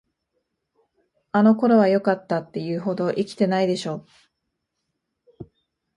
あの頃はよかった、って言うほど生きてないでしょ。